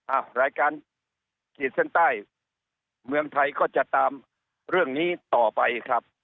รายการขีดเส้นใต้เมืองไทยก็จะตามเรื่องนี้ต่อไปครับ